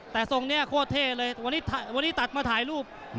แต่ทรงนี้โคตรเท่เลยวันนี้ตัดมาถ่ายรูป